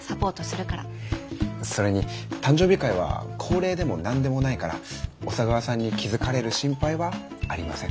それに誕生日会は恒例でも何でもないから小佐川さんに気付かれる心配はありません。